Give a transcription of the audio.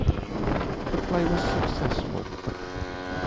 The play was successful.